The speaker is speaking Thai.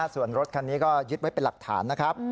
ส่วนรถคันนี้ก็ยึดไว้เป็นหลักฐานนะครับ